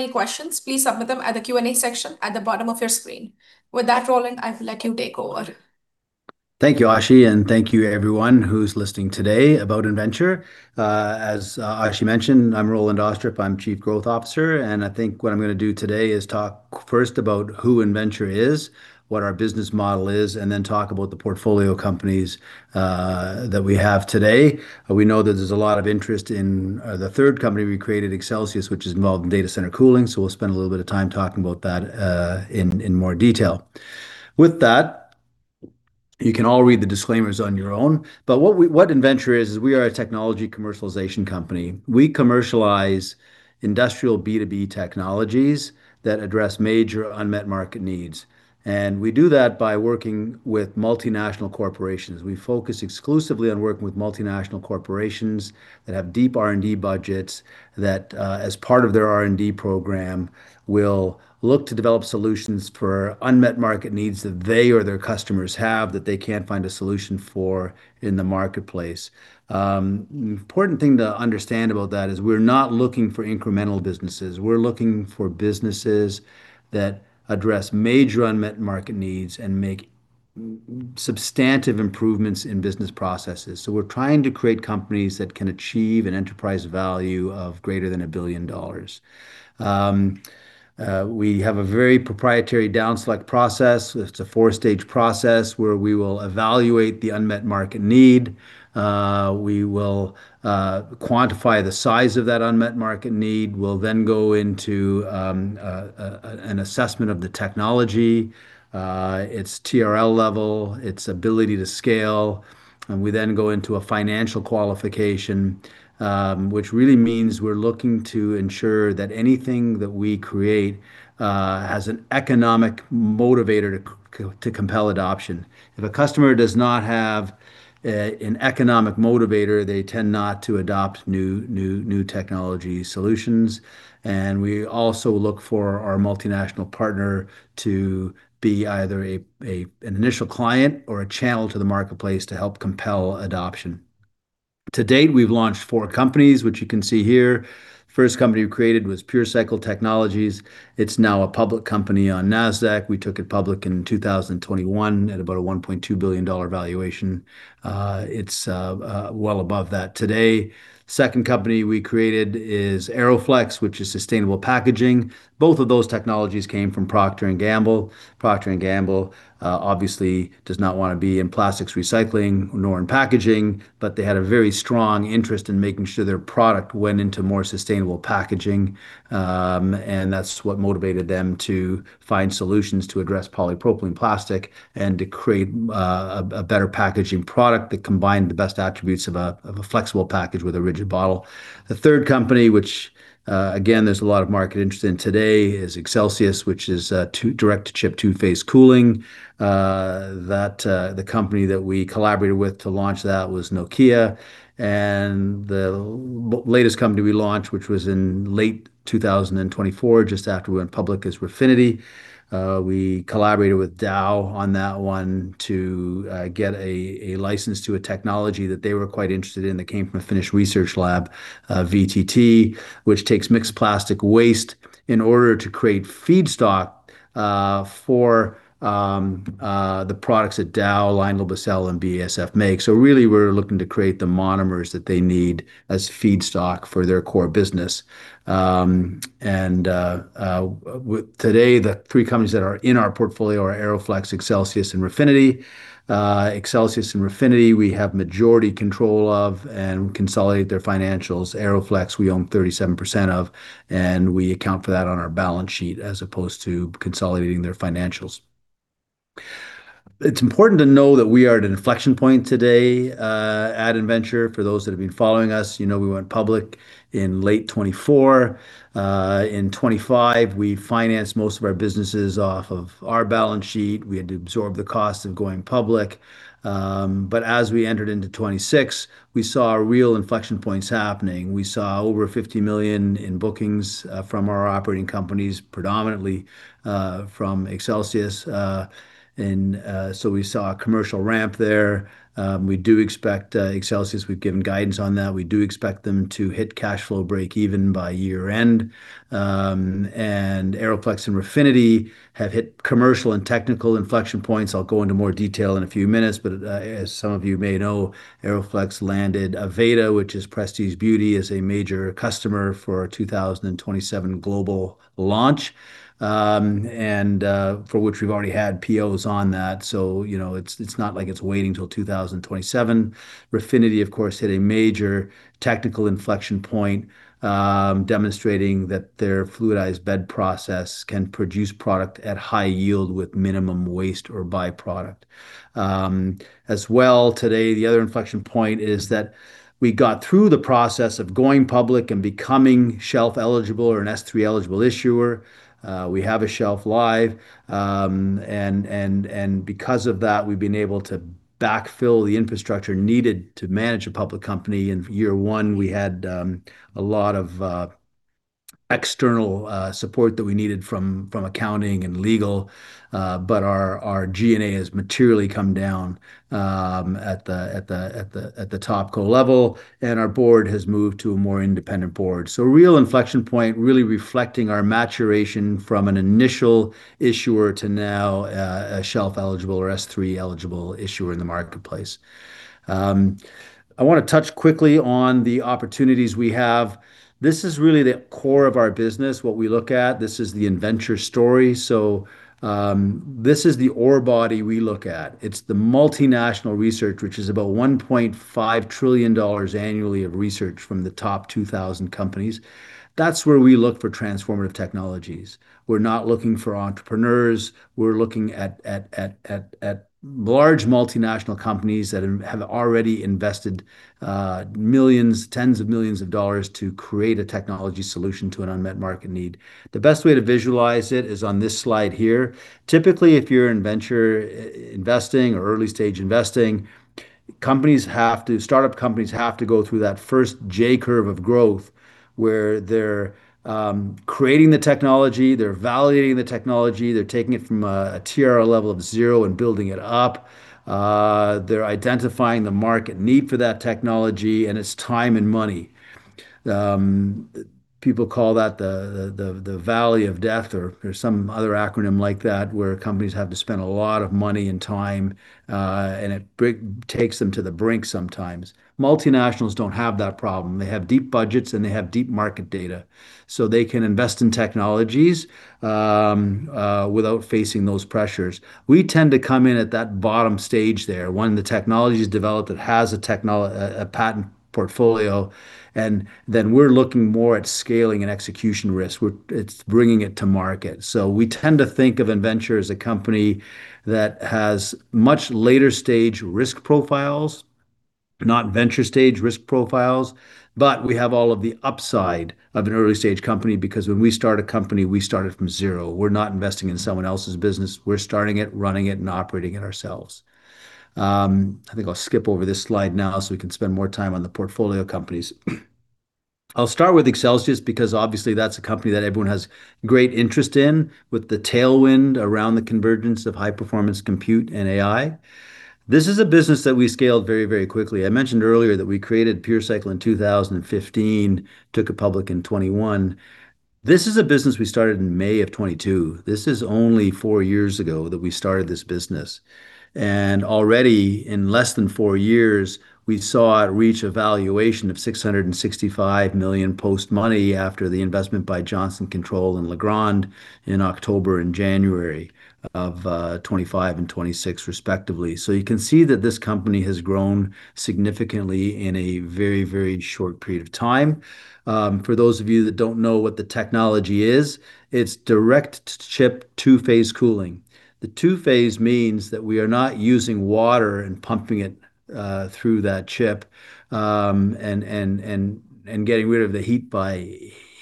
Any questions, please submit them at the Q&A section at the bottom of your screen. With that, Roland, I will let you take over. Thank you, Aashi, and thank you everyone who's listening today about Innventure. As Aashi mentioned, I'm Roland Austrup, I'm Chief Growth Officer. I think what I'm going to do today is talk first about who Innventure is, what our business model is, then talk about the portfolio companies that we have today. We know that there's a lot of interest in the third company we created, Accelsius, which is involved in data center cooling. We'll spend a little bit of time talking about that in more detail. With that, you can all read the disclaimers on your own. What Innventure is we are a technology commercialization company. We commercialize industrial B2B technologies that address major unmet market needs. We do that by working with multinational corporations. We focus exclusively on working with multinational corporations that have deep R&D budgets that, as part of their R&D program, will look to develop solutions for unmet market needs that they or their customers have that they can't find a solution for in the marketplace. Important thing to understand about that is we're not looking for incremental businesses. We're looking for businesses that address major unmet market needs and make substantive improvements in business processes. We're trying to create companies that can achieve an enterprise value of greater than $1 billion. We have a very proprietary downselect process. It's a four-stage process where we will evaluate the unmet market need. We will quantify the size of that unmet market need. We'll then go into an assessment of the technology, its TRL level, its ability to scale. We then go into a financial qualification, which really means we're looking to ensure that anything that we create has an economic motivator to compel adoption. If a customer does not have an economic motivator, they tend not to adopt new technology solutions. We also look for our multinational partner to be either an initial client or a channel to the marketplace to help compel adoption. To date, we've launched four companies, which you can see here. First company we created was PureCycle Technologies. It's now a public company on Nasdaq. We took it public in 2021 at about a $1.2 billion valuation. It's well above that today. Second company we created is AeroFlexx, which is sustainable packaging. Both of those technologies came from Procter & Gamble. Procter & Gamble obviously does not want to be in plastics recycling, nor in packaging, but they had a very strong interest in making sure their product went into more sustainable packaging, and that's what motivated them to find solutions to address polypropylene plastic and to create a better packaging product that combined the best attributes of a flexible package with a rigid bottle. The third company, which again, there's a lot of market interest in today, is Accelsius, which is direct to chip two-phase cooling, that the company that we collaborated with to launch that was Nokia. The latest company we launched, which was in late 2024, just after we went public, is Refinity. We collaborated with Dow on that one to get a license to a technology that they were quite interested in that came from a Finnish research lab, VTT, which takes mixed plastic waste in order to create feedstock for the products that Dow, LyondellBasell, and BASF make. Really, we're looking to create the monomers that they need as feedstock for their core business. Today, the three companies that are in our portfolio are AeroFlexx, Accelsius, and Refinity. Accelsius and Refinity, we have majority control of and consolidate their financials. AeroFlexx, we own 37% of, and we account for that on our balance sheet as opposed to consolidating their financials. It's important to know that we are at an inflection point today at Innventure. For those that have been following us, you know we went public in late 2024. In 2025, we financed most of our businesses off of our balance sheet. We had to absorb the cost of going public. As we entered into 2026, we saw real inflection points happening. We saw over $50 million in bookings from our operating companies, predominantly from Accelsius. We saw a commercial ramp there. We do expect Accelsius, we've given guidance on that. We do expect them to hit cash flow breakeven by year-end. AeroFlexx and Refinity have hit commercial and technical inflection points. I'll go into more detail in a few minutes, but as some of you may know, AeroFlexx landed Aveda, which is Prestige Beauty, as a major customer for our 2027 global launch, and for which we've already had POs on that. It's not like it's waiting till 2027. Refinity, of course, hit a major technical inflection point, demonstrating that their fluidized bed process can produce product at high yield with minimum waste or byproduct. As well, today, the other inflection point is that we got through the process of going public and becoming shelf eligible or an S-3 eligible issuer. We have a shelf live. Because of that, we've been able to backfill the infrastructure needed to manage a public company. In year one, we had a lot of external support that we needed from accounting and legal. Our G&A has materially come down at the topco level, and our board has moved to a more independent board. A real inflection point, really reflecting our maturation from an initial issuer to now a shelf-eligible or S-3-eligible issuer in the marketplace. I want to touch quickly on the opportunities we have. This is really the core of our business, what we look at. This is the Innventure story. This is the ore body we look at. It's the multinational research, which is about $1.5 trillion annually of research from the top 2,000 companies. That's where we look for transformative technologies. We're not looking for entrepreneurs. We're looking at large multinational companies that have already invested tens of millions of dollars to create a technology solution to an unmet market need. The best way to visualize it is on this slide here. Typically, if you're in venture investing or early-stage investing, startup companies have to go through that first J curve of growth, where they're creating the technology, they're validating the technology, they're taking it from a TRL of 0 and building it up. They're identifying the market need for that technology, and it's time and money. People call that the valley of death or some other acronym like that, where companies have to spend a lot of money and time, and it takes them to the brink sometimes. Multinationals don't have that problem. They have deep budgets, and they have deep market data. They can invest in technologies without facing those pressures. We tend to come in at that bottom stage there. When the technology's developed, it has a patent portfolio, and then we're looking more at scaling and execution risk. It's bringing it to market. We tend to think of Innventure as a company that has much later-stage risk profiles, not venture-stage risk profiles. We have all of the upside of an early-stage company because when we start a company, we start it from zero. We're not investing in someone else's business. We're starting it, running it, and operating it ourselves. I think I'll skip over this slide now so we can spend more time on the portfolio companies. I'll start with Accelsius because obviously that's a company that everyone has great interest in, with the tailwind around the convergence of high-performance compute and AI. This is a business that we scaled very quickly. I mentioned earlier that we created PureCycle in 2015, took it public in 2021. This is a business we started in May of 2022. This is only four years ago that we started this business, and already in less than four years, we saw it reach a valuation of $665 million post-money after the investment by Johnson Controls and Legrand in October and January of 2025 and 2026 respectively. You can see that this company has grown significantly in a very short period of time. For those of you that don't know what the technology is, it's direct chip two-phase cooling. The two-phase means that we are not using water and pumping it through that chip, and getting rid of the heat by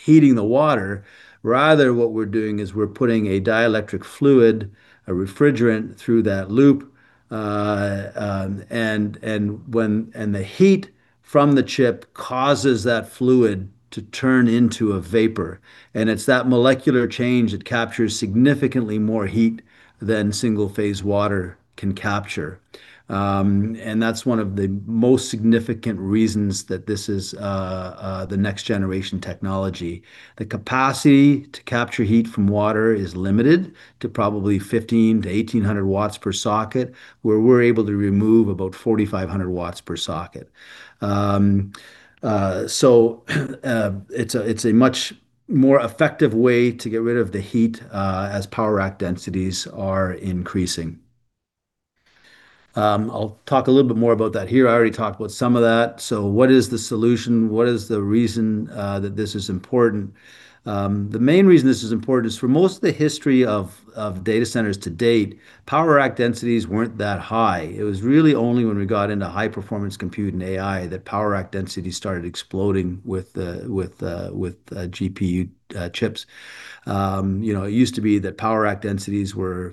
heating the water. Rather, what we're doing is we're putting a dielectric fluid, a refrigerant through that loop. The heat from the chip causes that fluid to turn into a vapor, and it's that molecular change that captures significantly more heat than single-phase water can capture. That's one of the most significant reasons that this is the next-generation technology. The capacity to capture heat from water is limited to probably 1,500-1,800 W per socket, where we're able to remove about 4,500 W per socket. It's a much more effective way to get rid of the heat as power rack densities are increasing. I'll talk a little bit more about that here. I already talked about some of that. What is the solution? What is the reason that this is important? The main reason this is important is for most of the history of data centers to date, power rack densities weren't that high. It was really only when we got into high-performance compute and AI that power rack density started exploding with GPU chips. It used to be that power rack densities were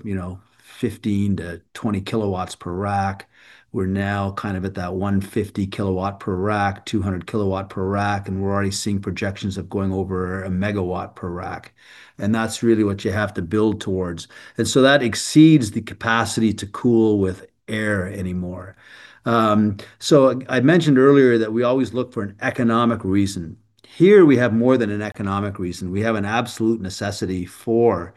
15 kW-20 kW per rack. We're now at that 150 kW per rack, 200 kW per rack, and we're already seeing projections of going over a megawatt per rack. That's really what you have to build towards. That exceeds the capacity to cool with air anymore. I mentioned earlier that we always look for an economic reason. Here, we have more than an economic reason. We have an absolute necessity for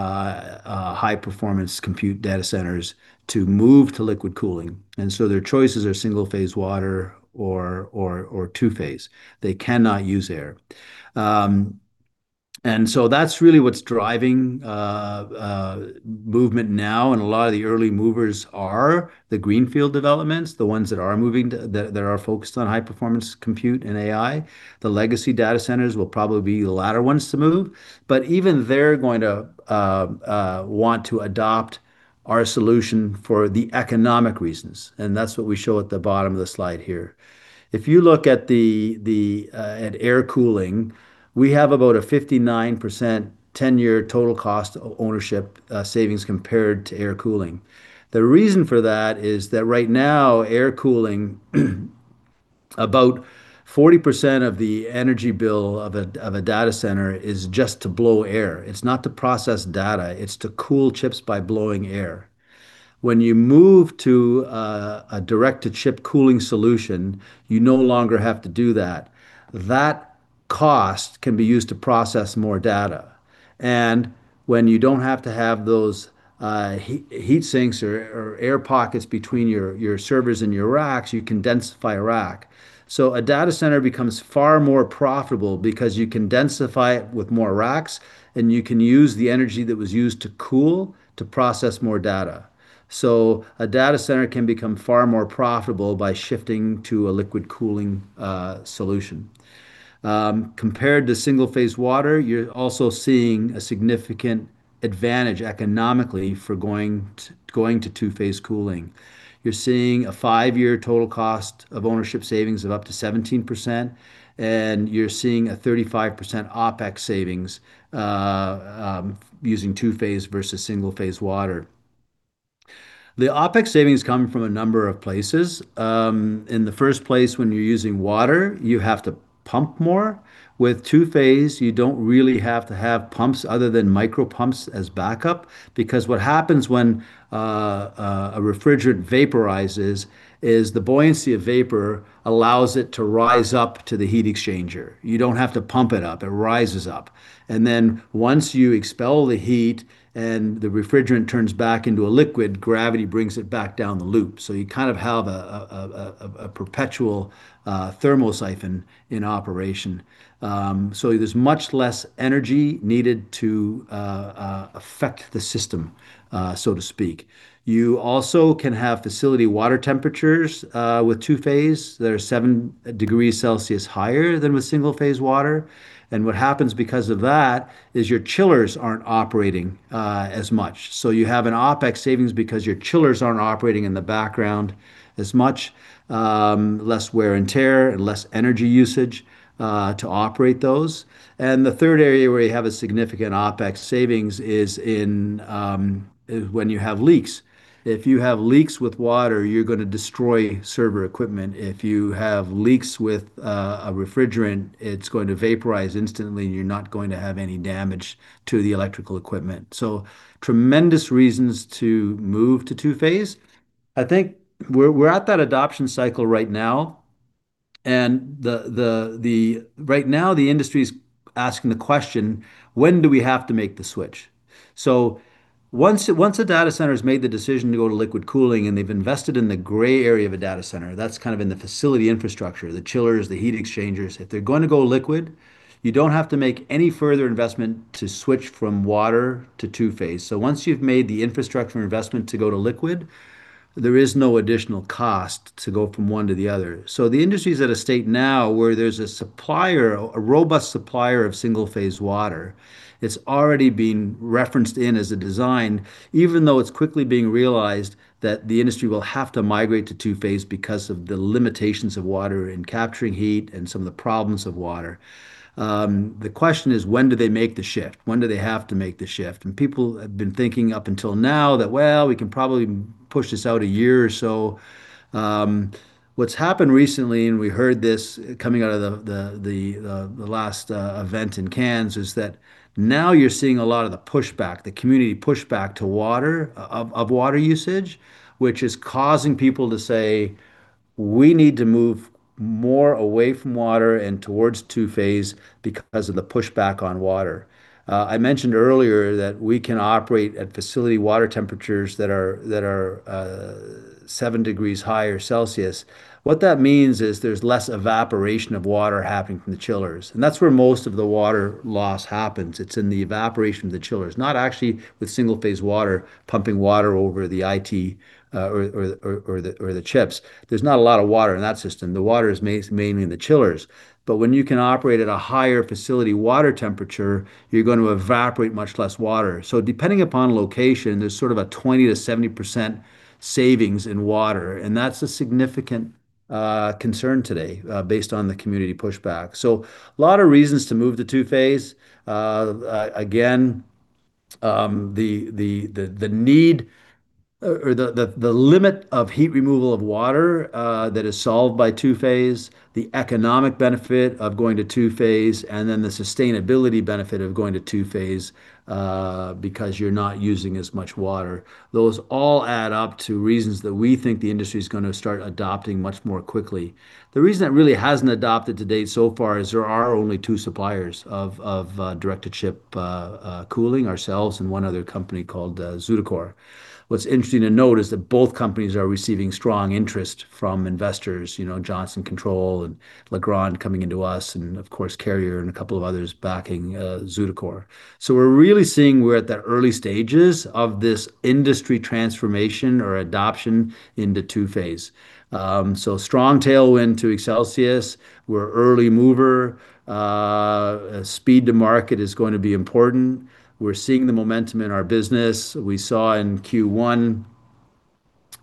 high-performance compute data centers to move to liquid cooling. Their choices are single-phase water or two-phase. They cannot use air. That's really what's driving movement now, and a lot of the early movers are the greenfield developments, the ones that are focused on high-performance compute and AI. The legacy data centers will probably be the latter ones to move. Even they're going to want to adopt our solution for the economic reasons, and that's what we show at the bottom of the slide here. If you look at air cooling, we have about a 59% 10-year total cost of ownership savings compared to air cooling. The reason for that is that right now, air cooling About 40% of the energy bill of a data center is just to blow air. It's not to process data, it's to cool chips by blowing air. When you move to a direct-to-chip cooling solution, you no longer have to do that. That cost can be used to process more data. When you don't have to have those heat sinks or air pockets between your servers and your racks, you can densify a rack. A data center becomes far more profitable because you can densify it with more racks, and you can use the energy that was used to cool to process more data. A data center can become far more profitable by shifting to a liquid cooling solution. Compared to single-phase water, you're also seeing a significant advantage economically for going to two-phase cooling. You're seeing a five-year total cost of ownership savings of up to 17%, and you're seeing a 35% OpEx savings using two-phase versus single-phase water. The OpEx savings come from a number of places. In the first place, when you're using water, you have to pump more. With two-phase, you don't really have to have pumps other than micro pumps as backup, because what happens when a refrigerant vaporizes is the buoyancy of vapor allows it to rise up to the heat exchanger. You don't have to pump it up. It rises up. Then once you expel the heat and the refrigerant turns back into a liquid, gravity brings it back down the loop. You kind of have a perpetual thermosiphon in operation. There's much less energy needed to affect the system, so to speak. You also can have facility water temperatures with two-phase that are 7 degrees Celsius higher than with single-phase water. What happens because of that is your chillers aren't operating as much. You have an OpEx savings because your chillers aren't operating in the background as much, less wear and tear and less energy usage to operate those. The third area where you have a significant OpEx savings is when you have leaks. If you have leaks with water, you're going to destroy server equipment. If you have leaks with a refrigerant, it's going to vaporize instantly, and you're not going to have any damage to the electrical equipment. Tremendous reasons to move to two-phase. I think we're at that adoption cycle right now, the industry's asking the question: When do we have to make the switch? Once a data center's made the decision to go to liquid cooling and they've invested in the gray area of a data center, that's kind of in the facility infrastructure, the chillers, the heat exchangers. If they're going to go liquid, you don't have to make any further investment to switch from water to two-phase. Once you've made the infrastructure investment to go to liquid, there is no additional cost to go from one to the other. The industry's at a state now where there's a robust supplier of single-phase water. It's already being referenced in as a design, even though it's quickly being realized that the industry will have to migrate to two-phase because of the limitations of water in capturing heat and some of the problems of water. The question is when do they make the shift? When do they have to make the shift? People have been thinking up until now that, well, we can probably push this out a year or so. What's happened recently, we heard this coming out of the last event in Cannes, is that now you're seeing a lot of the pushback, the community pushback to water, of water usage, which is causing people to say, "We need to move more away from water and towards two-phase because of the pushback on water." I mentioned earlier that we can operate at facility water temperatures that are seven degrees higher Celsius. What that means is there's less evaporation of water happening from the chillers, that's where most of the water loss happens. It's in the evaporation of the chillers, not actually with single-phase water pumping water over the IT or the chips. There's not a lot of water in that system. The water is mainly in the chillers. When you can operate at a higher facility water temperature, you're going to evaporate much less water. Depending upon location, there's sort of a 20%-70% savings in water, that's a significant concern today based on the community pushback. A lot of reasons to move to two-phase. Again, the need or the limit of heat removal of water that is solved by two-phase, the economic benefit of going to two-phase, the sustainability benefit of going to two-phase because you're not using as much water. Those all add up to reasons that we think the industry's going to start adopting much more quickly. The reason it really hasn't adopted to date so far is there are only two suppliers of direct-to-chip cooling, ourselves and one other company called ZutaCore. What's interesting to note is that both companies are receiving strong interest from investors, Johnson Controls and Legrand coming into us, Carrier and a couple of others backing ZutaCore. We're really seeing we're at the early stages of this industry transformation or adoption into two-phase. Strong tailwind to Accelsius. We're an early mover. Speed to market is going to be important. We're seeing the momentum in our business. We saw in Q1.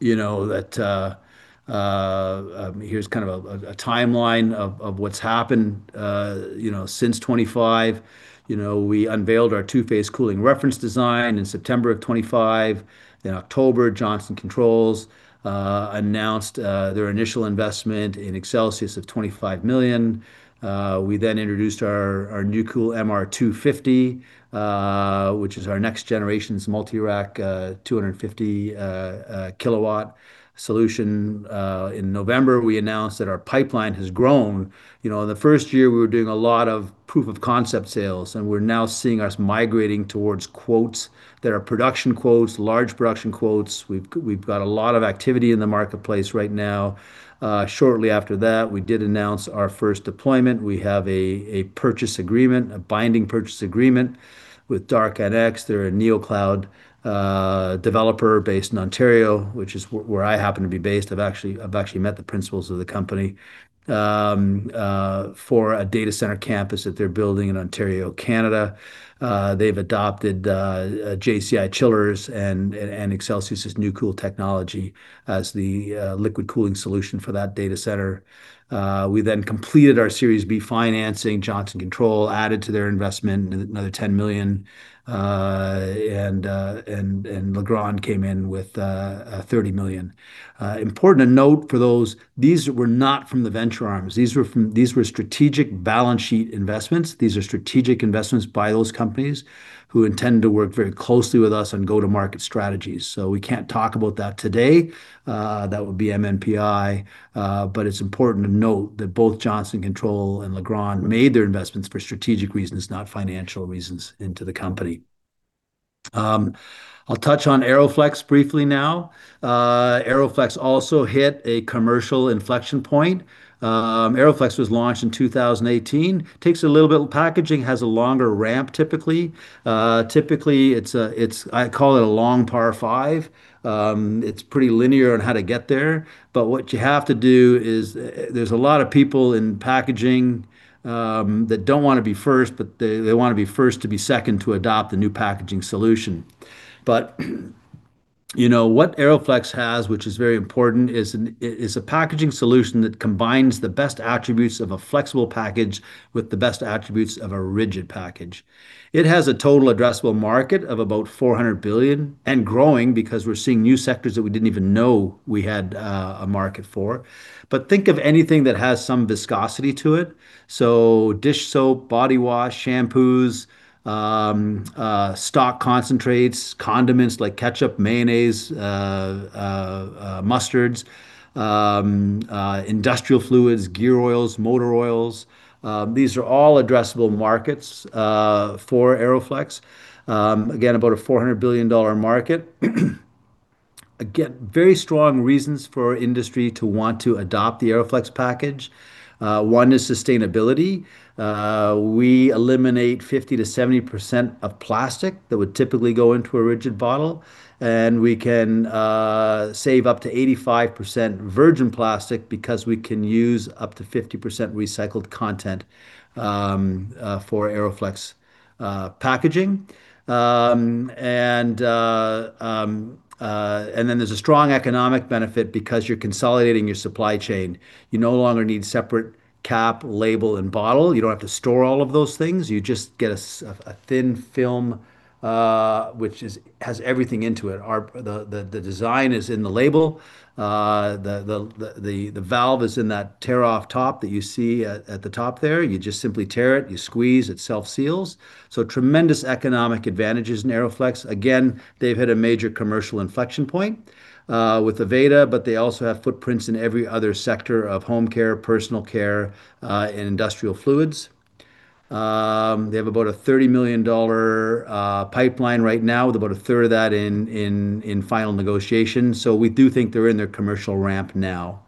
Here's a timeline of what's happened since 2025. We unveiled our two-phase cooling reference design in September of 2025. In October, Johnson Controls announced their initial investment in Accelsius of $25 million. We then introduced our NeuCool MR250, which is our next generation's multi-rack 250 kW solution. In November, we announced that our pipeline has grown. In the first year, we were doing a lot of proof-of-concept sales, and we're now seeing us migrating towards quotes that are production quotes, large production quotes. We've got a lot of activity in the marketplace right now. Shortly after that, we did announce our first deployment. We have a purchase agreement, a binding purchase agreement with DarkNX. They're a NeoCloud developer based in Ontario, which is where I happen to be based. I've actually met the principals of the company, for a data center campus that they're building in Ontario, Canada. They've adopted JCI Chillers and Accelsius's NeuCool technology as the liquid cooling solution for that data center. We then completed our Series B financing. Johnson Controls added to their investment another $10 million, and Legrand came in with $30 million. Important to note for those, these were not from the venture arms. These were strategic balance sheet investments. These are strategic investments by those companies who intend to work very closely with us on go-to-market strategies. We can't talk about that today. That would be MNPI. It's important to note that both Johnson Controls and Legrand made their investments for strategic reasons, not financial reasons into the company. I'll touch on AeroFlexx briefly now. AeroFlexx also hit a commercial inflection point. AeroFlexx was launched in 2018, takes a little bit, packaging has a longer ramp typically. Typically, I call it a long par 5. It's pretty linear on how to get there, but what you have to do is there's a lot of people in packaging that don't want to be first, but they want to be first to be second to adopt the new packaging solution. What AeroFlexx has, which is very important, is a packaging solution that combines the best attributes of a flexible package with the best attributes of a rigid package. It has a total addressable market of about $400 billion and growing because we're seeing new sectors that we didn't even know we had a market for. Think of anything that has some viscosity to it. Dish soap, body wash, shampoos, stock concentrates, condiments like ketchup, mayonnaise, mustards, industrial fluids, gear oils, motor oils. These are all addressable markets for AeroFlexx. Again, about a $400 billion market. Again, very strong reasons for industry to want to adopt the AeroFlexx package. One is sustainability. We eliminate 50%-70% of plastic that would typically go into a rigid bottle, and we can save up to 85% virgin plastic because we can use up to 50% recycled content for AeroFlexx packaging. There's a strong economic benefit because you're consolidating your supply chain. You no longer need separate cap, label, and bottle. You don't have to store all of those things. You just get a thin film, which has everything into it. The design is in the label. The valve is in that tear-off top that you see at the top there. You just simply tear it, you squeeze, it self-seals. Tremendous economic advantages in AeroFlexx. They've hit a major commercial inflection point, with Aveda, but they also have footprints in every other sector of home care, personal care, and industrial fluids. They have about a $30 million pipeline right now with about a third of that in final negotiations. We do think they're in their commercial ramp now.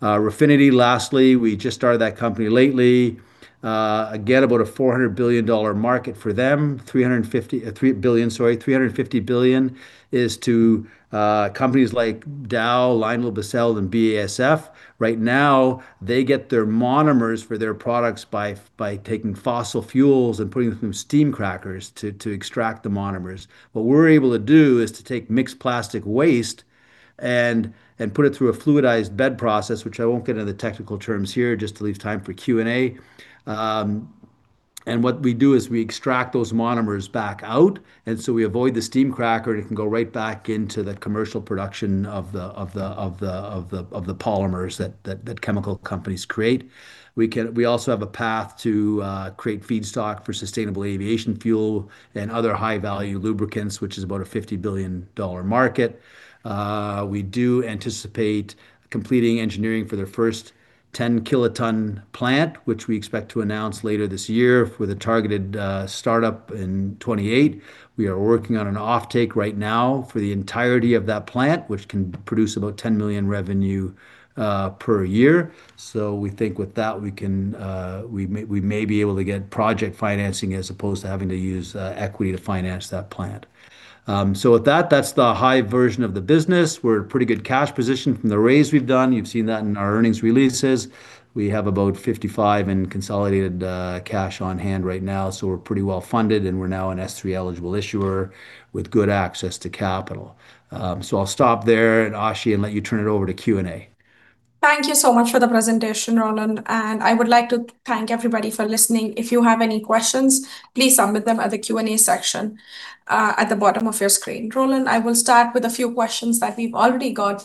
Refinity, lastly, we just started that company lately. About a $400 billion market for them. $350 billion is to companies like Dow, LyondellBasell, and BASF. Right now, they get their monomers for their products by taking fossil fuels and putting them through steam crackers to extract the monomers. What we're able to do is to take mixed plastic waste and put it through a fluidized bed process, which I won't get into technical terms here just to leave time for Q&A. What we do is we extract those monomers back out, we avoid the steam cracker, and it can go right back into the commercial production of the polymers that chemical companies create. We also have a path to create feedstock for sustainable aviation fuel and other high-value lubricants, which is about a $50 billion market. We do anticipate completing engineering for their first 10 kt plant, which we expect to announce later this year with a targeted startup in 2028. We are working on an offtake right now for the entirety of that plant, which can produce about $10 million revenue per year. We think with that, we may be able to get project financing as opposed to having to use equity to finance that plant. With that's the high version of the business. We're in a pretty good cash position from the raise we've done. You've seen that in our earnings releases. We have about $55 million in consolidated cash on hand right now, so we're pretty well funded, and we're now an S3 eligible issuer with good access to capital. I'll stop there at Aashi and let you turn it over to Q&A. Thank you so much for the presentation, Roland. I would like to thank everybody for listening. If you have any questions, please submit them at the Q&A section, at the bottom of your screen. Roland, I will start with a few questions that we've already got.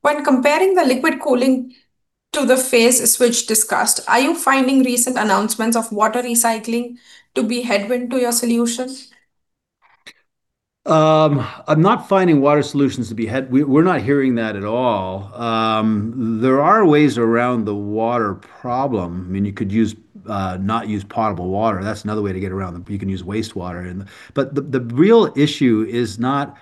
When comparing the liquid cooling to the phase switch discussed, are you finding recent announcements of water recycling to be headwind to your solution? I'm not finding water solutions to be a headwind. We're not hearing that at all. There are ways around the water problem. You could not use potable water. That's another way to get around them. You can use wastewater. The real issue is not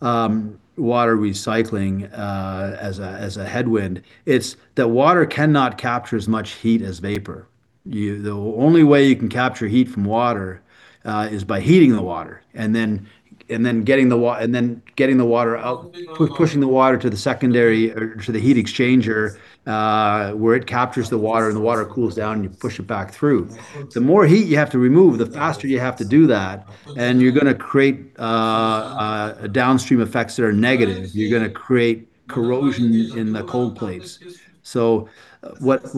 water recycling as a headwind. It's that water cannot capture as much heat as vapor. The only way you can capture heat from water is by heating the water and then getting the water out, pushing the water to the secondary or to the heat exchanger, where it captures the water, and the water cools down, and you push it back through. The more heat you have to remove, the faster you have to do that, and you're going to create downstream effects that are negative. You're going to create corrosion in the cold plates. What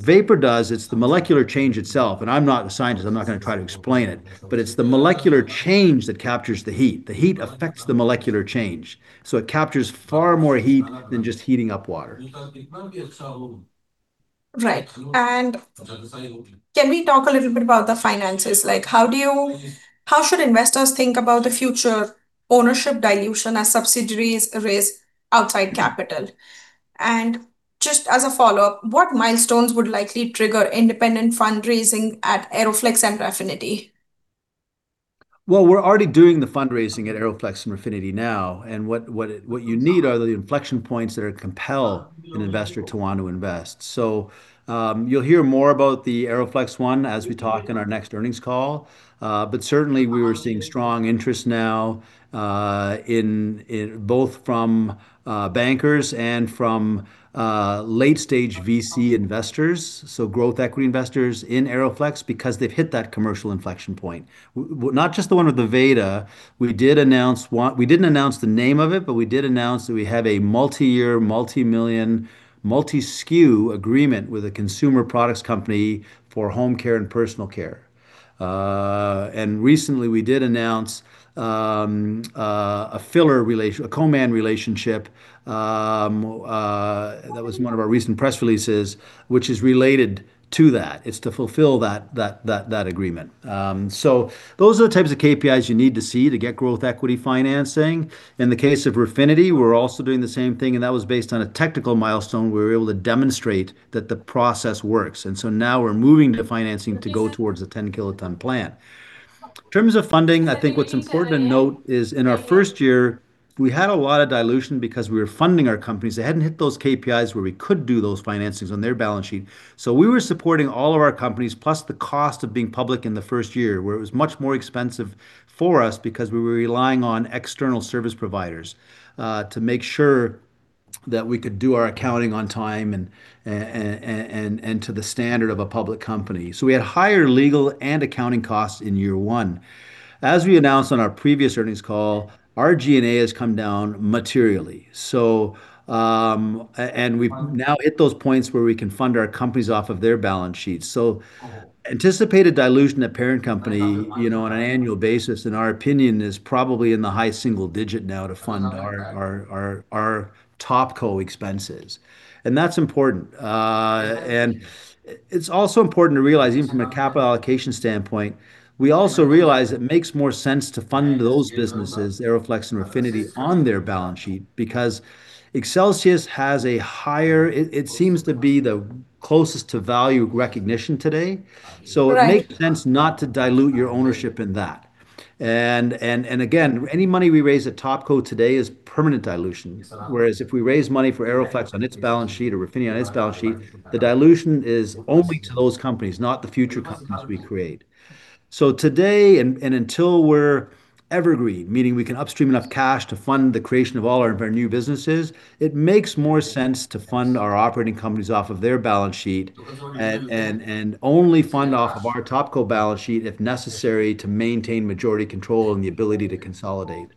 vapor does, it's the molecular change itself, and I'm not a scientist, I'm not going to try to explain it, but it's the molecular change that captures the heat. The heat affects the molecular change, so it captures far more heat than just heating up water. Right. Can we talk a little bit about the finances? How should investors think about the future ownership dilution as subsidiaries raise outside capital? Just as a follow-up, what milestones would likely trigger independent fundraising at AeroFlexx and Refinity? We're already doing the fundraising at AeroFlexx and Refinity now, what you need are the inflection points that will compel an investor to want to invest. You'll hear more about the AeroFlexx one as we talk in our next earnings call. Certainly we are seeing strong interest now both from bankers and from late-stage VC investors, so growth equity investors in AeroFlexx because they've hit that commercial inflection point. Not just the one with Aveda. We didn't announce the name of it, but we did announce that we have a multi-year, multi-million, multi-SKU agreement with a consumer products company for home care and personal care. Recently we did announce a co-man relationship, that was one of our recent press releases, which is related to that. It's to fulfill that agreement. Those are the types of KPIs you need to see to get growth equity financing. In the case of Refinity, we're also doing the same thing, and that was based on a technical milestone. We were able to demonstrate that the process works. Now we're moving to financing to go towards the 10 kt plan. In terms of funding, I think what's important to note is in our first year, we had a lot of dilution because we were funding our companies. They hadn't hit those KPIs where we could do those financings on their balance sheet. We were supporting all of our companies, plus the cost of being public in the first year, where it was much more expensive for us because we were relying on external service providers, to make sure that we could do our accounting on time and to the standard of a public company. We had higher legal and accounting costs in year one. As we announced on our previous earnings call, our G&A has come down materially. We've now hit those points where we can fund our companies off of their balance sheets. Anticipated dilution at parent company, on an annual basis, in our opinion, is probably in the high single digit now to fund our top co-expenses. That's important. It's also important to realize, even from a capital allocation standpoint, we also realize it makes more sense to fund those businesses, AeroFlexx and Refinity, on their balance sheet because Accelsius has a higher It seems to be the closest to value recognition today. Right. It makes sense not to dilute your ownership in that. Again, any money we raise at top co today is permanent dilution. Whereas if we raise money for AeroFlexx on its balance sheet or Refinity on its balance sheet, the dilution is only to those companies, not the future companies we create. Today, and until we're evergreen, meaning we can upstream enough cash to fund the creation of all of our new businesses, it makes more sense to fund our operating companies off of their balance sheet and only fund off of our top co balance sheet if necessary to maintain majority control and the ability to consolidate.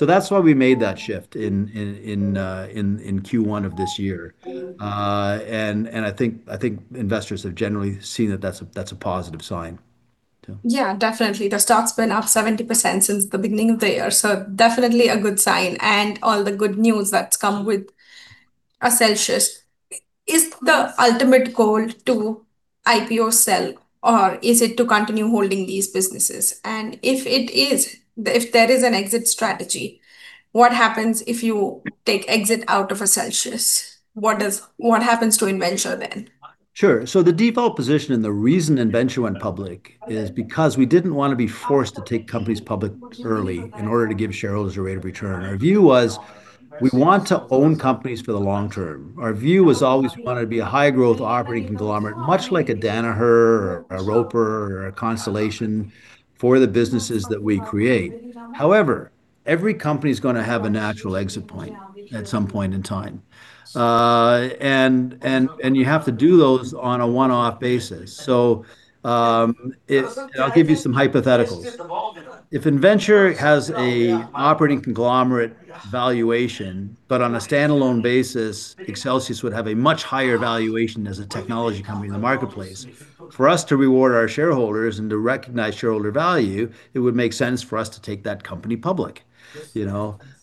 That's why we made that shift in Q1 of this year. I think investors have generally seen that that's a positive sign. Definitely. The stock's been up 70% since the beginning of the year, definitely a good sign and all the good news that's come with Accelsius. Is the ultimate goal to IPO sell, or is it to continue holding these businesses? If there is an exit strategy, what happens if you take exit out of Accelsius? What happens to Innventure then? Sure. The default position and the reason Innventure went public is because we didn't want to be forced to take companies public early in order to give shareholders a rate of return. Our view was we want to own companies for the long-term. Our view was always we wanted to be a high-growth operating conglomerate, much like a Danaher or a Roper or a Constellation for the businesses that we create. However, every company's going to have a natural exit point at some point in time. You have to do those on a one-off basis. I'll give you some hypotheticals. If Innventure has an operating conglomerate valuation, but on a standalone basis, Accelsius would have a much higher valuation as a technology company in the marketplace. For us to reward our shareholders and to recognize shareholder value, it would make sense for us to take that company public.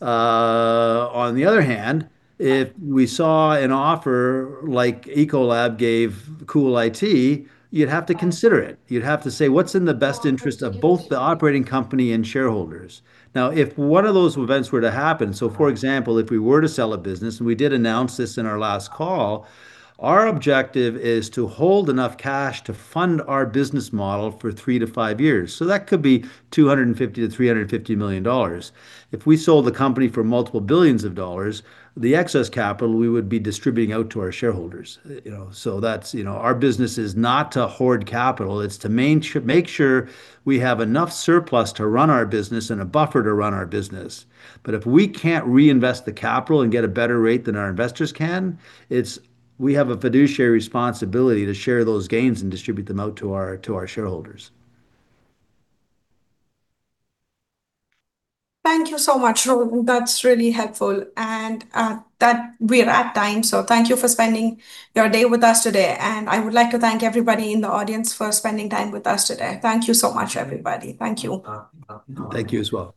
On the other hand, if we saw an offer like Ecolab gave CoolIT, you'd have to consider it. You'd have to say, "What's in the best interest of both the operating company and shareholders?" If one of those events were to happen, for example, if we were to sell a business, and we did announce this in our last call, our objective is to hold enough cash to fund our business model for three to five years. That could be $250 million to $350 million. If we sold the company for multiple billions of dollars, the excess capital we would be distributing out to our shareholders. Our business is not to hoard capital, it's to make sure we have enough surplus to run our business and a buffer to run our business. If we can't reinvest the capital and get a better rate than our investors can, we have a fiduciary responsibility to share those gains and distribute them out to our shareholders. Thank you so much, Roland. That's really helpful. We are at time, so thank you for spending your day with us today. I would like to thank everybody in the audience for spending time with us today. Thank you so much, everybody. Thank you. Thank you as well.